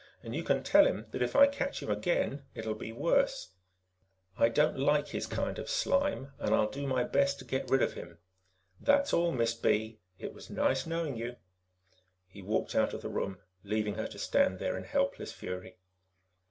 And you can tell him that if I catch him again, it will be worse. "I don't like his kind of slime, and I'll do my best to get rid of them. That's all, Miss B.; it was nice knowing you." He walked out of the room, leaving her to stand there in helpless fury.